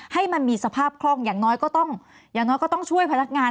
ให้มันมีสภาพคล่องอย่างน้อยก็ต้องช่วยพนักงาน